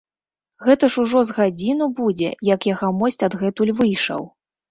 Гэта ж ужо з гадзіну будзе, як ягомасць адгэтуль выйшаў.